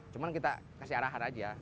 cuma kita kasih arahan aja